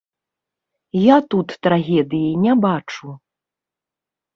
Я тут трагедыі не бачу.